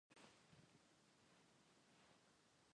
或刚好今天心情不好？